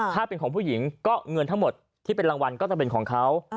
ถ้าเป็นของผู้หญิงก็เงินทั้งหมดที่เป็นรางวัลก็จะเป็นของเขา